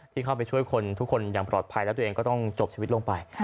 เข้าไปช่วยคนทุกคนอย่างปลอดภัยแล้วตัวเองก็ต้องจบชีวิตลงไป